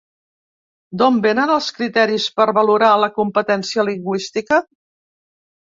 D'on vénen els criteris per valorar la competència lingüística?